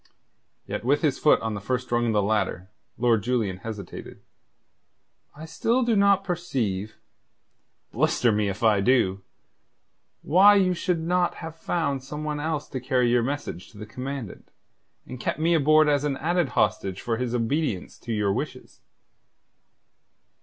Yet with his foot on the first rung of the ladder, Lord Julian hesitated. "I still do not perceive blister me if I do! why you should not have found some one else to carry your message to the Commandant, and kept me aboard as an added hostage for his obedience to your wishes."